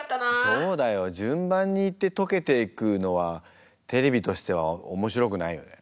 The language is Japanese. そうだよ順番にいって解けていくのはテレビとしては面白くないよね。